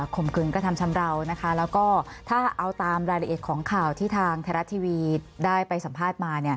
คืนกระทำชำราวนะคะแล้วก็ถ้าเอาตามรายละเอียดของข่าวที่ทางไทยรัฐทีวีได้ไปสัมภาษณ์มา